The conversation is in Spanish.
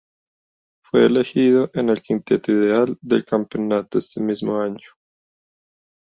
Fue elegido en el quinteto ideal del campeonato ese mismo año.